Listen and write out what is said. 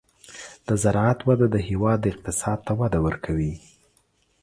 د زراعت وده د هېواد اقتصاد ته وده ورکوي.